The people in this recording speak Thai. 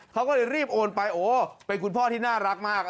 เขาก็เลยรีบโอนไปโอ้เป็นคุณพ่อที่น่ารักมาก